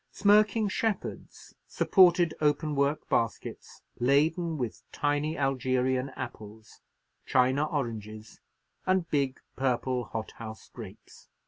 Smirking shepherds supported open work baskets, laden with tiny Algerian apples, China oranges, and big purple hothouse grapes.